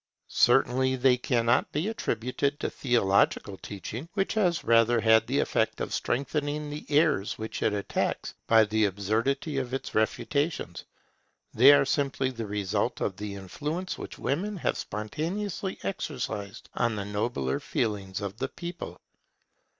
Certainly they cannot be attributed to theological teaching, which has rather had the effect of strengthening the errors which it attacks by the absurdity of its refutations. They are simply the result of the influence which women have spontaneously exercised on the nobler feelings of the people.